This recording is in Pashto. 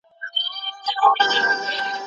فساد د بربادۍ لار ده.